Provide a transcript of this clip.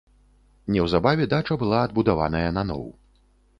Неўзабаве дача была адбудаваная наноў.